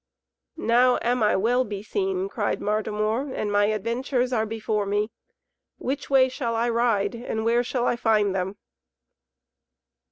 "Now am I well beseen," cried Martimor, "and my adventures are before me. Which way shall I ride, and where shall I find them?"